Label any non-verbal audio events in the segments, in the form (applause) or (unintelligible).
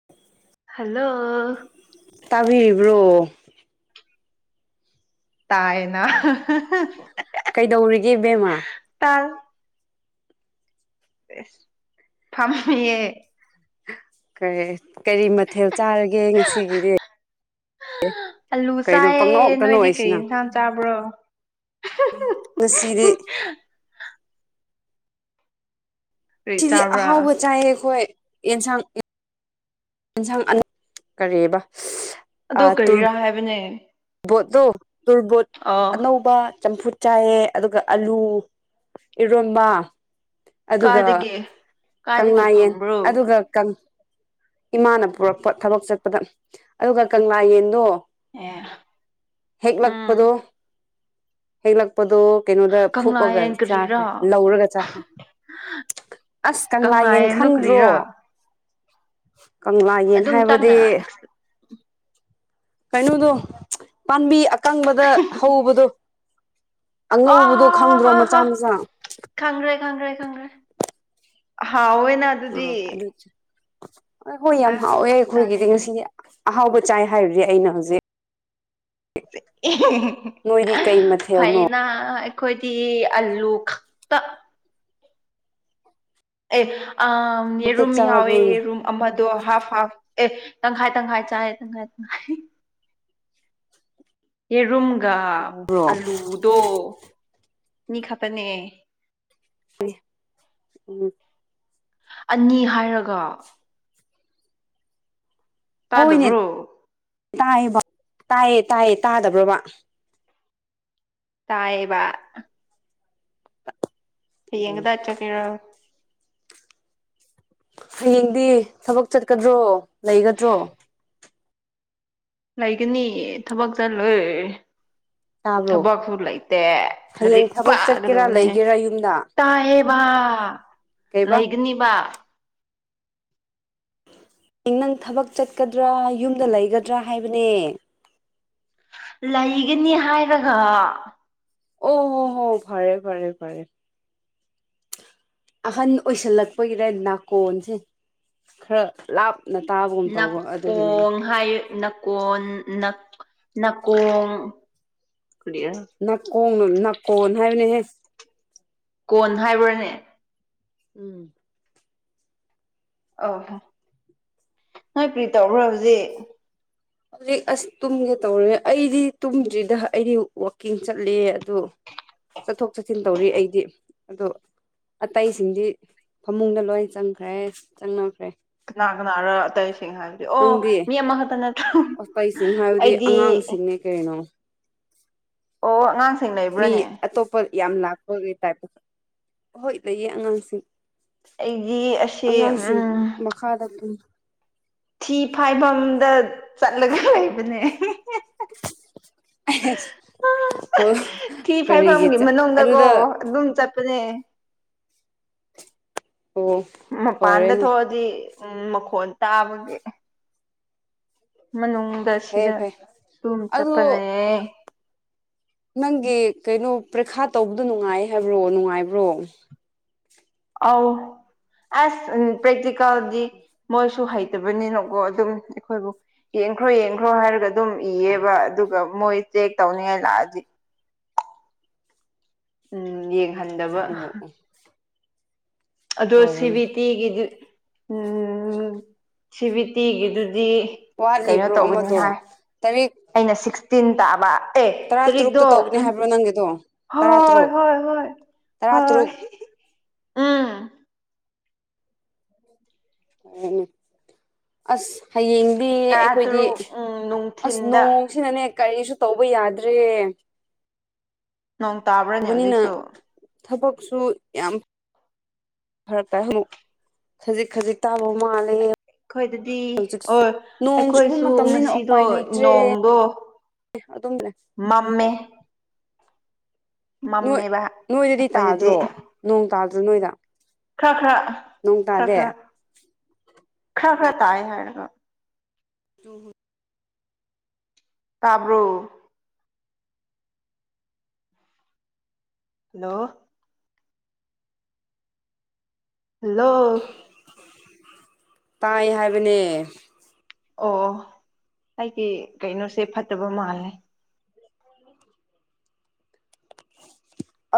(unintelligible) hello ꯇꯥꯕꯤꯔꯤꯕ꯭ꯔꯣ ꯇꯥꯏꯅ ꯀꯩꯗꯧꯔꯤꯒꯦ ꯏꯕꯦꯝꯃ ꯇꯥꯏ ꯑꯁ ꯐꯝꯃꯤꯌꯦ ꯀꯔꯤ ꯀꯔꯤ ꯃꯊꯦꯜ ꯆꯥꯔꯒꯦ ꯉꯁꯤꯒꯤꯗꯤ ꯑꯂꯨ ꯀꯩꯅꯣ ꯆꯥꯏꯌꯦ ꯄꯪꯅꯣꯛꯇ ꯅꯣꯏꯗꯤ ꯀꯔꯤ ꯅꯣꯛꯏꯁꯤꯅ ꯏꯟꯁꯥꯡ ꯆꯥꯕ꯭ꯔꯣ ꯉꯁꯤꯗꯤ ꯀꯔꯤ ꯉꯁꯤꯗꯤ ꯆꯥꯕ꯭ꯔꯥ ꯑꯍꯥꯎꯕ ꯆꯥꯏꯌꯦ ꯑꯩꯈꯣꯏ ꯌꯦꯟꯁꯥꯡ ꯌꯦꯟꯁꯥꯡ ꯑꯅꯧ ꯀꯔꯤꯕ ꯑꯗꯣ ꯀꯔꯤꯔꯥ ꯍꯥꯏꯕꯅꯦ ꯕꯣꯠꯇꯣ ꯇꯨꯔꯕꯣꯠ ꯑꯣ ꯑꯅꯧꯕ ꯆꯝꯐꯨꯠ ꯆꯥꯏꯌꯦ ꯑꯗꯨꯒ ꯑꯥꯂꯨ ꯏꯔꯣꯟꯕ ꯑꯗꯨꯒ ꯀꯥꯏꯗꯒꯤ ꯀꯥꯏꯗꯒꯤ ꯀꯪꯂꯥꯌꯦꯟ ꯐꯪꯕ꯭ꯔꯣ ꯑꯗꯨꯒ ꯀꯪ ꯏꯃꯥꯅ ꯄꯨꯔꯛꯄ ꯊꯕꯛ ꯆꯠꯄꯗ ꯑꯗꯨꯒ ꯀꯪꯂꯥ ꯌꯦꯟꯗꯣ ꯑꯦ ꯎꯝ ꯍꯦꯛꯂꯛꯄꯗꯣ ꯍꯦꯛꯂꯛꯄꯗꯣ ꯀꯩꯅꯣꯗ ꯐꯨꯞꯑꯒ ꯀꯪꯂꯥꯌꯦꯟ ꯀꯔꯤꯔꯥ ꯆꯥꯈ꯭ꯔꯦ ꯂꯧꯔꯒ ꯆꯥꯈ꯭ꯔꯦ ꯑꯁ ꯀꯪꯂꯥ ꯌꯦꯟ ꯀꯪꯂꯥꯌꯦꯟꯗꯣ ꯈꯪꯗ꯭ꯔꯣ ꯀꯔꯤꯔꯥ ꯀꯪꯂꯥ ꯌꯦꯟ ꯑꯗꯨꯝ ꯍꯥꯏꯕꯗꯤ ꯇꯞꯅ ꯀꯩꯅꯣꯗꯣ ꯄꯥꯝꯕꯤ ꯑꯀꯪꯕꯗ ꯑꯗ ꯍꯧꯕꯗꯣ ꯑꯉꯧꯕꯗꯣ ꯈꯪꯗ꯭ꯔꯣ ꯃꯆꯥ ꯃꯆꯥ ꯈꯪꯒ꯭ꯔꯦ ꯈꯪꯒ꯭ꯔꯦ ꯈꯪꯒ꯭ꯔꯦ ꯍꯥꯎꯌꯦꯅ ꯎꯝ ꯑꯗꯨ ꯆꯥꯏ ꯍꯣꯏ ꯌꯥꯝ ꯑꯁ ꯍꯥꯎꯋꯦ ꯑꯩꯈꯣꯏꯒꯤꯗꯤ ꯆꯥꯅꯤꯡꯉꯦ ꯉꯁꯤꯗꯤ ꯑꯍꯥꯎꯕ ꯆꯥꯏ ꯍꯥꯏꯔꯤ ꯑꯩꯅ ꯍꯧꯖꯤꯛ ꯅꯣꯏꯗꯤ ꯀꯩ ꯐꯩ ꯃꯊꯦꯜꯅꯣ ꯅ ꯑꯩꯈꯣꯏꯗꯤ ꯑꯂꯨ ꯈꯛꯇ ꯑꯦ ꯑꯥꯝ ꯑꯝꯇ ꯌꯦꯔꯨꯝ ꯌꯥꯎꯋꯦ ꯆꯥꯕ꯭ꯔꯣꯅꯦ ꯌꯦꯔꯨꯝ ꯑꯃꯗꯣ ꯍꯥꯐ ꯍꯥꯐ ꯑꯦ ꯇꯪꯈꯥꯏ ꯇꯪꯈꯥꯏ ꯆꯥꯏ ꯇꯪꯈꯥꯏ ꯇꯪꯈꯥꯏ ꯌꯦꯔꯨꯝꯒ ꯕ꯭ꯔꯣ ꯑꯂꯨꯗꯣ ꯑꯅꯤ ꯈꯛꯇꯅꯦ (unintelligible) ꯎꯝ ꯑꯅꯤ ꯍꯥꯏꯔꯒ ꯍꯣꯏꯅꯦ ꯇꯥꯗꯕ꯭ꯔꯣ ꯇꯥꯏꯌꯦꯕ ꯇꯥꯏꯌꯦ ꯇꯥꯏꯌꯦ ꯇꯥꯗꯕ꯭ꯔꯣꯕ ꯇꯥꯌꯦꯕ ꯍꯌꯦꯡꯗ ꯆꯣ ꯀ ꯍꯌꯦꯡꯗꯤ ꯊꯕꯛ ꯆꯠꯀꯗ꯭ꯔꯣ ꯂꯩꯒꯗ꯭ꯔꯣ ꯂꯩꯒꯅꯤ ꯊꯕꯛꯁ ꯂꯣꯏꯦ ꯇꯥꯕ꯭ꯔꯣ ꯊꯕꯛꯁꯨ ꯂꯩꯇꯦ ꯍꯌꯦꯡ ꯂꯥꯏꯔꯤꯛ ꯊꯕꯛ ꯆꯠꯀꯦꯔꯥ ꯄꯥꯒꯗꯅꯦ ꯂꯩꯒꯦꯔꯥ ꯌꯨꯝꯗ ꯇꯥꯏꯍꯦ ꯀꯩꯕ ꯂꯩꯒꯅꯤꯕ ꯅꯪ ꯊꯕꯛ ꯆꯠꯀꯗ꯭ꯔꯥ ꯌꯨꯝꯗ ꯂꯩꯒꯗ꯭ꯔꯥ ꯍꯥꯏꯕꯅꯦ ꯂꯩꯒꯅꯤ ꯍꯥꯏꯔꯒ ꯑꯣ ꯍꯣ ꯍꯣ ꯐꯔꯦ ꯐꯔꯦ ꯐꯔꯦ ꯑꯍꯟ ꯑꯣꯏꯁꯜꯂꯛꯄꯒꯤꯗ ꯅꯥꯀꯣꯟꯁꯦ ꯈꯔ ꯂꯥꯞ ꯅꯇꯥꯥꯕꯒꯨꯝ ꯇꯧꯕ ꯑꯗꯨꯒꯤꯅꯤꯅꯦ ꯅꯥꯀꯣꯡ ꯍꯥꯏ ꯅꯀꯣꯟ ꯅ ꯅꯀꯣꯟ ꯀꯔꯤꯔ ꯅꯥꯀꯣꯡꯅ ꯅꯥꯀꯣꯟ ꯍꯥꯏꯕꯅꯦꯍꯦꯛ ꯀꯣꯟ ꯍꯥꯏꯕ꯭ꯔꯅꯦ ꯎꯝ ꯑꯣ ꯍꯣ ꯅꯣꯏ ꯀ꯭ꯔꯤ ꯇꯧꯕ꯭ꯔꯥ ꯍꯧꯖꯤꯛ ꯍꯧꯖꯤꯛ ꯑꯁ ꯇꯨꯝꯒꯦ ꯇꯧꯔꯦ ꯑꯩꯗꯤ ꯇꯨꯝꯗ꯭ꯔꯤꯗ ꯑꯩꯗꯤ ꯋꯥꯛꯀꯤꯡ ꯆꯠꯂꯦ ꯑꯗꯨ ꯆꯠꯊꯣꯛ ꯆꯠꯁꯤꯟ ꯇꯧꯔꯤ ꯑꯩꯗꯤ ꯑꯗꯣ ꯑꯇꯩꯁꯤꯡꯗꯤ ꯐꯃꯨꯡꯗ ꯂꯣꯏ ꯆꯪꯈ꯭ꯔꯦ ꯆꯪꯅꯈ꯭ꯔꯦ ꯅꯥꯅꯥꯔ ꯑꯇꯩꯁꯤꯡ ꯍꯥꯏꯕꯗꯤ ꯑꯣ ꯃꯤ ꯑꯃꯈꯛꯇ ꯅꯠꯇ ꯄꯄꯩꯁꯤꯡ ꯍꯥꯏꯕꯗꯤ ꯑꯉꯥꯡꯁꯤꯡꯅꯦ ꯀꯩꯅꯣ ꯑꯣ ꯑꯉꯥꯡ ꯃꯤ ꯑꯇꯣꯞꯄ ꯌꯥꯝ ꯂꯥꯛꯄꯒ ꯇꯥꯏꯞꯄ ꯍꯍꯣꯏ ꯂꯩꯌꯦ ꯑꯉꯥꯡꯁꯤꯡ ꯑꯩꯒꯤ ꯑꯁꯤ ꯈꯥꯗ ꯊꯤ ꯐꯥꯏꯐꯝꯗ ꯆꯠꯂꯒ ꯂꯩꯕꯅꯦ ꯑꯣ ꯊꯤ ꯀꯔꯤꯒꯤ ꯐꯥꯏꯐꯝꯒꯤ ꯃꯅꯨꯡꯗꯀꯣ ꯑꯗꯨꯗ ꯑꯗꯨꯝ ꯆꯠꯄ ꯅꯦ ꯑꯣ ꯃꯄꯥꯟꯗ ꯐꯔꯦꯅꯦ ꯊꯣꯛꯑꯗꯤ ꯎꯝ ꯃꯈꯣꯟ ꯇꯥꯕꯒꯤ ꯃꯅꯨꯡꯗ ꯐꯩꯌꯦ ꯁꯤꯗ ꯐꯩ ꯂꯨꯝꯝ ꯑꯗꯨ ꯆꯠꯄꯅꯦꯌꯦ ꯅꯪꯒꯤ ꯀꯩꯅꯣ ꯄꯔꯤꯈꯥ ꯇꯧꯕꯗꯣ ꯅꯨꯡꯉꯥꯏ ꯍꯥꯏꯕ꯭ꯔꯣ ꯅꯨꯡꯉꯥꯏꯕ꯭ꯔꯣ ꯑꯥꯎ ꯑꯁ ꯎ꯭ꯔꯦꯀꯦꯜꯗꯤ ꯃꯣꯏꯁꯨ ꯍꯩꯇꯕꯅꯤꯅꯀꯣ ꯑꯗꯨꯝ ꯑꯩꯈꯣꯏꯕꯨ ꯌꯦꯡꯈ꯭ꯔꯣ ꯌꯦꯡꯈ꯭ꯔꯣ ꯍꯥꯏꯔꯒ ꯑꯗꯨꯝ ꯏꯌꯦꯕ ꯑꯗꯨꯒ ꯃꯣꯏ ꯆꯦꯛ ꯇꯧꯅꯤꯡꯉꯥꯏ ꯂꯥꯛꯑꯗꯤ ꯎꯝ ꯌꯦꯡꯍꯟꯗꯕ ꯑꯣ ꯑꯗꯣ ꯁꯤ ꯕꯤ ꯇꯤꯒꯤꯗꯤ ꯎꯝ ꯑꯣ ꯁꯤꯚꯤ ꯇꯤꯒꯗꯨꯗꯤ ꯋꯥꯠꯂꯤꯕ꯭ꯔꯣ ꯑꯃꯗꯣ ꯇꯔꯦꯛ ꯑꯩꯅ ꯁꯤꯛꯁꯇꯤꯟ ꯇꯥꯕ ꯑꯦ ꯇꯔꯨꯛꯇ ꯇꯗꯣ ꯇꯧꯒꯅꯤ ꯎ ꯍꯥꯏꯕ꯭ꯔꯣ ꯅꯪꯒꯤꯗꯣ ꯍꯣꯏ ꯍꯣꯏ ꯍꯣꯏ ꯍꯣꯏ ꯇꯔꯥꯇꯔꯨꯛ ꯎꯝ ꯍꯅꯦ ꯑꯁ ꯍꯌꯦꯡꯗꯤ ꯇꯔꯥ ꯑꯩꯈꯣꯏꯗꯤ ꯇꯔꯨꯛ ꯎꯝ ꯑꯁ ꯅꯨꯡꯊꯤꯟꯗ ꯅꯣꯡ ꯁꯤꯅꯅꯦ ꯀꯔꯤꯁꯨ ꯇꯧꯕ ꯌꯥꯗ꯭ꯔꯦ ꯅꯣꯡ ꯇꯥꯕ꯭ꯔꯅꯦ ꯇꯧꯕꯅꯤꯅ ꯍꯧꯖꯤꯛꯁꯨ ꯊꯕꯛꯁꯨ ꯌꯥꯝ ꯐꯔꯛꯇ ꯑꯃꯨꯛ ꯈꯖꯤꯛ ꯈꯖꯤꯛ ꯇꯥꯕ ꯃꯥꯜꯂꯦ ꯑꯩꯈꯣꯏꯗꯗꯤ ꯍꯧꯖꯤꯛꯁꯨ ꯑꯣ ꯅꯣꯡ ꯆꯨꯕ ꯑꯩꯈꯣꯏꯁꯨ ꯃꯇꯝꯅꯤꯅ ꯉꯁꯤꯗꯣ ꯅꯣꯡꯗꯣ ꯑꯦ ꯑꯗꯨꯝꯅꯦ ꯃꯃꯦ ꯅꯣꯏ ꯃꯝꯃꯦꯕ ꯅꯣꯏꯗꯗꯤ ꯑꯩꯈꯣꯏꯗꯗꯤ ꯇꯥꯗ꯭ꯔꯣ ꯅꯣꯡ ꯇꯥꯗ꯭ꯔꯣ ꯅꯣꯏꯗ ꯈꯔ ꯅꯣꯡ ꯈꯔ ꯇꯥꯗꯦ ꯈꯔ ꯈꯔ ꯈꯔ ꯈꯔ ꯇꯥꯏ ꯍꯥꯏꯔꯒ ꯍ ꯍꯣꯏ ꯇꯥꯕ꯭ꯔꯣ ꯍꯜꯂꯣ ꯍꯜꯂꯣ ꯇꯥꯏ ꯍꯥꯏꯕꯅꯦ ꯑꯣ ꯑꯩꯗꯤ ꯀꯩꯅꯣꯁꯦ ꯐꯠꯇꯕ ꯃꯥꯜꯂꯦ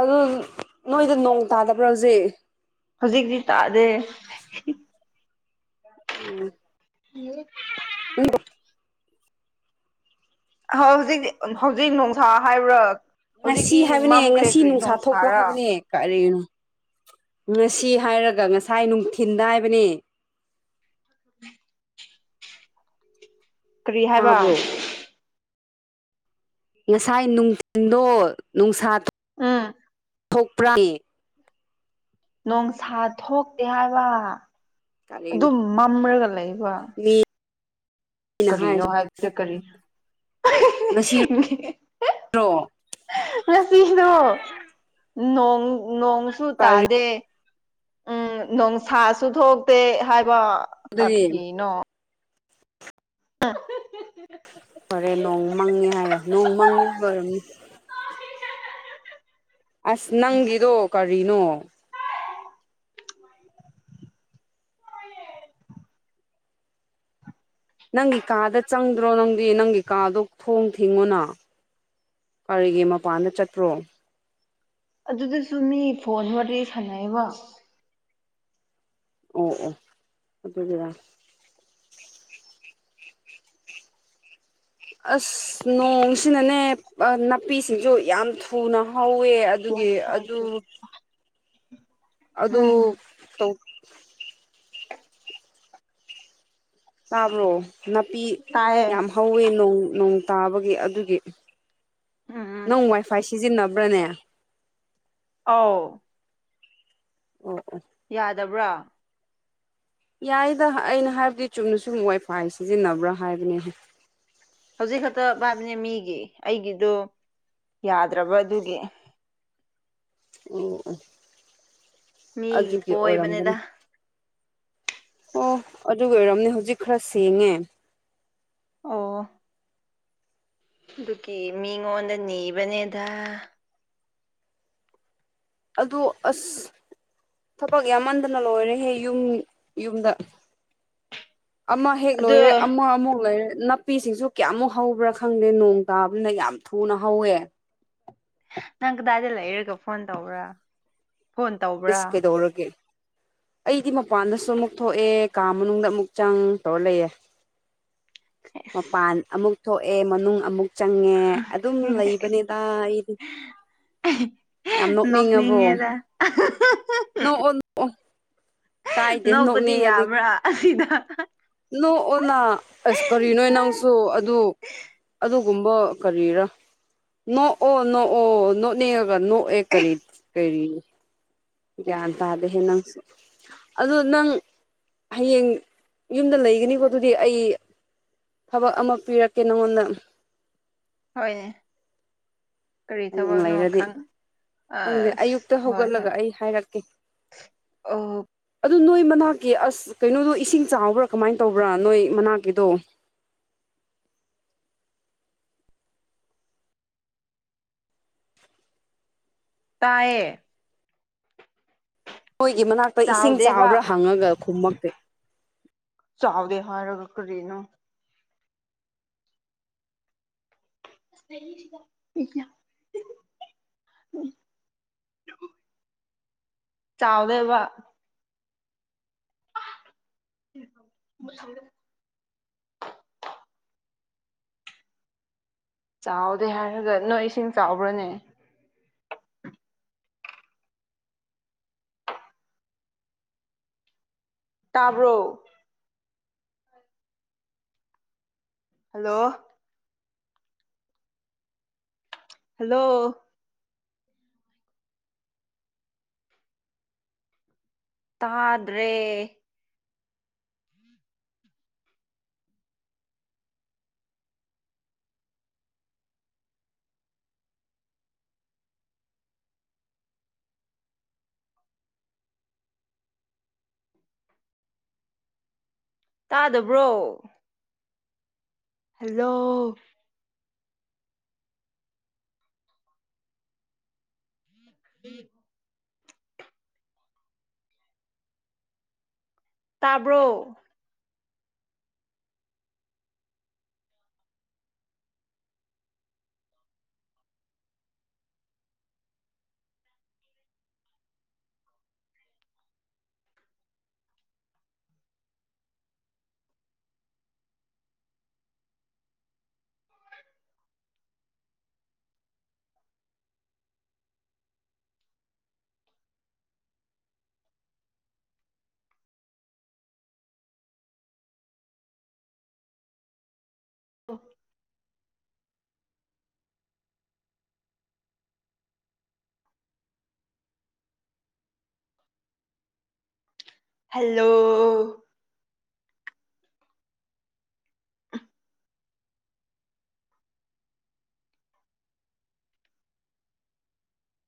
ꯑꯗꫭ ꯅꯣꯏꯗ ꯅꯣꯡ ꯇꯥꯗꯕ꯭ꯔꯥ ꯍꯧꯖꯤꯛ ꯍꯧꯖꯤꯛꯇꯤ ꯇꯥꯗꯦ ꯎꯝ ꯎꯝ ꯎꯣ ꯑ ꯍꯧꯖꯤꯛ ꯍꯧꯖꯤꯛ ꯅꯨꯡꯁꯥ ꯍꯥꯏꯕ꯭ꯔꯥ ꯉꯁꯤ ꯍꯧꯖꯤꯛꯇꯤ ꯍꯥꯏꯕꯅꯦ ꯃꯝꯈ꯭ꯔꯦ ꯉꯁꯤ ꯀꯔꯤ ꯅꯨꯡꯁꯥ ꯊꯣꯛꯄ꯭ꯔꯥ ꯅꯣꯡꯁꯥꯔ ꯍꯥꯏꯕꯅꯦ ꯀꯔꯤꯅꯣ ꯉꯁꯤ ꯍꯥꯏꯔꯒ ꯉꯁꯥꯏ ꯅꯨꯡꯊꯤꯟꯗ ꯍꯥꯏꯕꯅꯦ ꯀꯔꯤ ꯍꯥꯏꯕ ꯇꯥꯕ꯭ꯔꯣ ꯉꯁꯥꯏ ꯅꯨꯡꯊꯤꯟꯗꯣ ꯅꯨꯡꯁꯥꯇ ꯎꯝ ꯊꯣꯛ ꯊꯣꯛꯄ꯭ꯔ ꯏ ꯅꯣꯡꯁꯥ ꯊꯣꯛꯇꯦ ꯍꯥꯏꯕ ꯀꯔꯤꯅꯣ ꯑꯗꯨꯝ ꯃꯝꯔꯒ ꯂꯩꯕ ꯃꯤꯅ ꯀꯔꯤꯅꯣ ꯍꯥꯏꯕꯗ ꯀꯔꯤ ꯉꯁꯤ (inaudible) ꯉꯁꯤꯗꫭ ꯅꯣꯡ ꯅꯣꯡ ꯁꯨ ꯀꯔꯤ ꯇꯥꯗꯦ ꯎꯝ ꯅꯣꯡꯁꯥꯁꯨ ꯊꯣꯛꯇꯦ ꯍꯥꯏꯕ ꯑꯗꯨꯗꯤ ꯀꯔꯒꯤꯅꯣ INAUDIBLE ꯐꯣꯔꯦ ꯅꯣꯡ ꯃꯪꯉꯦ ꯍꯥꯏꯔ ꯅꯣꯡ ꯃꯪꯕ ꯑꯣꯏꯔꯝꯅꯤ ꯑꯁ ꯅꯪꯒꯤꯗꯣ ꯀꯔꯤꯅꯣ ꯅꯪꯒꯤ ꯀꯥꯗ ꯆꯪꯗ꯭ꯔꯣ ꯅꯪꯗꯤ ꯅꯪꯒꯤ ꯀꯥꯗꯣ ꯊꯣꯡ ꯊꯤꯡꯉꯨꯅ ꯀꯔꯤꯒꯤ ꯃꯄꯥꯟꯗ ꯆꯠꯇꯄ꯭ꯔꯣ ꯑꯗꯨꯗꯁꯨ ꯃꯤ ꯐꯣꯟ ꯋꯥꯔꯤ ꯁꯥꯟꯅꯩꯕ ꯑꯣ ꯑꯣ ꯑꯗꯨꯒꯤꯔ ꯑꯁ ꯅꯣꯡꯁꯤꯅꯅꯦ ꯅꯥꯄꯤꯁꯤꯡꯁꯨ ꯌꯥꯝ ꯊꯨꯅ ꯍꯧꯋꯦ ꯑꯗꯨꯒꯤ ꯑꯗꯨ ꯑꯗꯨ ꯎꯝ ꯇꯧ ꯇꯥꯕ꯭ꯔꯣ ꯅꯥꯄꯤ ꯇꯥꯏꯌꯦ ꯌꯥꯝ ꯍꯧꯋꯦꯡ ꯅꯣꯡ ꯇꯥꯕꯒꯤ ꯑꯗꯨꯒꯤ ꯎꯝ ꯅꯪ ꯋꯥꯏꯐꯥꯏ ꯁꯤꯖꯤꯟꯅꯕ꯭ꯔꯥꯅꯦ ꯑꯥꯎ ꯑꯣ ꯑꯣ ꯌꯥꯗꯕ꯭ꯔꯥ ꯌꯥꯏꯗ ꯑꯩꯅ ꯍꯥꯏꯕꯗꯤ ꯆꯨꯝꯅ ꯁꯨꯝ ꯋꯥꯏꯐꯥꯏ ꯁꯤꯖꯤꯟꯅꯕ꯭ꯔꯥ ꯍꯥꯏꯕꯅꯦ ꯍꯧꯖꯤꯛ ꯈꯛꯇ ꯄꯥꯏꯕꯅꯦ ꯃꯤꯒꯤ ꯑꯩꯒꯤꯗꯣ ꯌꯥꯗ꯭ꯔꯕ ꯑꯗꯨꯒꯤ ꯑꯣ ꯑꯣ ꯃꯤꯒꯤ ꯑꯗꯨꯒꯤ ꯄꯣꯏꯕꯅꯦꯗ ꯑꯣꯏꯔꯝꯒꯅꯤ ꯑꯣ ꯑꯗꯨ ꯑꯣꯏꯔꯝꯅꯦ ꯍꯧꯖꯤꯛ ꯈꯔ ꯁꯦꯡꯉꯦ ꯑꯣ ꯑꯗꯨꯒꯤ ꯃꯤꯉꯣꯟꯗ ꯅꯤꯕꯅꯦꯗ ꯑꯗꯨ ꯑꯁ ꯊꯕꯛ ꯌꯥꯝꯃꯟꯗꯅ ꯂꯣꯏꯔꯦꯍꯦ ꯌꯨꯝ ꯌꯨꯝꯗ ꯑꯃ ꯍꯦꯛ ꯂꯣꯏꯔꯦ ꯑꯗꯣ ꯑꯃ ꯑꯃꯨꯛ ꯂꯩꯔꯦ ꯅꯞ ꯄꯤꯁꯤꯡꯁꯨ ꯀꯌꯥꯃꯨꯛ ꯍꯧꯕ꯭ꯔꯥ ꯈꯪꯗꯦ ꯅꯣꯡ ꯇꯥꯕꯅ ꯌꯥꯝ ꯊꯨꯅ ꯍꯧꯋꯦ ꯅꯪ ꯀꯗꯥꯏꯗ ꯂꯩꯔꯒ ꯐꯣꯟ ꯇꯧꯕ꯭ꯔꯥ ꯐꯣꯟ ꯏꯁ ꯇꯧꯕ꯭ꯔꯥ ꯀꯩꯗꯧꯔꯒꯦ ꯑꯩꯗꯤ ꯃꯄꯥꯟꯗꯁꯨ ꯑꯃꯨꯛ ꯊꯣꯛꯑꯦ ꯀꯥ ꯃꯅꯨꯡꯗ ꯑꯃꯨꯛ ꯆꯪ ꯇꯧꯔ ꯂꯩꯌꯦ ꯃꯄꯥꯟ ꯑꯃꯨꯛ ꯊꯣꯛꯑꯦ ꯃꯅꯨꯡ ꯑꯃꯨꯛ ꯆꯪꯉꯦ ꯑꯗꯨꯝ ꯂꯩꯕꯅꯤꯗ ꯑꯩꯗꯤ ꯑꯍꯤ ꯌꯥꯝ ꯍꯍ ꯅꯣꯛꯅꯤꯡꯉꯕꯣ ꯅꯣꯛꯅꯤꯡꯉꯦꯗ ꯑꯍ ꯍ ꯍ ꯍ ꯅꯣꯛꯑꯣ ꯍꯍ ꯀꯥꯏꯗꯦ ꯅꯣꯛꯄꯗꯤ ꯌꯥꯕ꯭ꯔꯥ ꯑꯁꯤꯗ ꯅꯣꯛ ꯑꯣꯅꯥ ꯑꯁ ꯀꯔꯤꯅꯣꯍꯦ ꯅꯪꯁꯨ ꯑꯗꯨ ꯑꯗꯨꯒꯨꯝꯕ ꯀꯔꯤꯔꯥ ꯅꯣꯛꯑꯣ ꯅꯣꯛꯑꯣ ꯅꯣꯛ ꯅꯦꯛꯉꯒ ꯅꯣꯛꯑꯦ ꯀꯔꯤ ꯀꯔꯤ ꯒ꯭ꯌꯥꯟ ꯇꯥꯗꯍꯦ ꯅꯪꯁꯨ ꯑꯗꯨ ꯅꯪ ꯍꯌꯦꯡ ꯌꯨꯝꯗ ꯂꯩꯒꯅꯤꯀꯣ ꯑꯗꯨꯗꯤ ꯑꯩ ꯊꯕꯛ ꯑꯃ ꯄꯤꯔꯛꯀꯦ ꯅꯪꯉꯣꯟꯗ ꯍꯣꯏꯅꯦ ꯀꯔꯤ ꯍꯌꯦꯡ ꯊꯕꯛꯅꯣ ꯂꯩꯔꯗꯤ ꯈꯪ ꯈꯪꯗꯦ ꯑꯁ ꯑꯌꯨꯛꯇ ꯍꯣꯏ ꯍꯣꯏ ꯍꯧꯒꯠꯂꯒ ꯑꯩ ꯍꯥꯏꯔꯛꯀꯦ ꯑꯣ ꯑꯗꯨ ꯅꯣꯏ ꯃꯅꯥꯛꯀꯤ ꯑꯁ ꯀꯩꯅꯣꯗꯣ ꯏꯁꯤꯡ ꯆꯥꯎꯕ꯭ꯔꯥ ꯀꯃꯥꯏꯅ ꯇꯧꯕ꯭ꯔꯥ ꯅꯣꯏ ꯃꯅꯥꯛꯀꯤꯗꯣ ꯇꯥꯏꯌꯦ ꯑꯩꯈꫭꯏꯒꯤ ꯃꯅꯥꯛꯇ ꯏꯁꯤꯡ ꯆꯥꯎꯗꯦꯕ ꯆꯥꯕ꯭ꯔꯥ ꯍꯪꯉꯒ ꯈꯨꯃꯛꯇꯦ ꯆꯥꯎꯗ ꯍꯥꯏꯔ ꯀꯔꯤꯅꫭ UNINTELLIGIBLE ꯆꯥꯎꯗꯦꯕ ꯂꯧꯁꯤꯟꯕ ꯉꯝꯗꯕ ꯆꯥꯎꯗꯦ ꯍꯥꯏꯔꯒ ꯅꯣꯏ ꯏꯁꯤꯡ ꯆꯥꯎꯕ꯭ꯔꯥꯅꯦ ꯇꯥꯕ꯭ꯔꯣ ꯍꯜꯂꯣ ꯍꯜꯂꯣ ꯇꯥꯗ꯭ꯔꯦ ꯇꯥꯗꯕ꯭ꯔꯣ ꯍꯜꯂꯣ ꯂꯧꯁꯤꯟꯕ ꯉꯝꯗꯕ ꯇꯥꯕ꯭ꯔꯣ ꯑꯣ ꯍꯜꯂꯣ